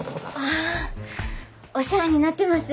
あお世話になってます